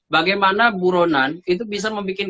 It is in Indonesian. bagaimana buronan itu bisa membuat